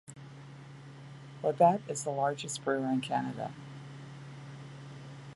Labatt is the largest brewer in Canada.